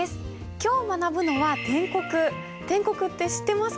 今日学ぶのは篆刻って知ってますか？